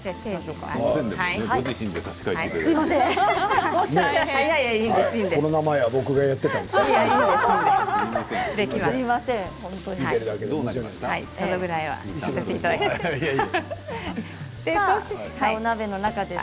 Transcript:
この間までは僕がやっていたんです。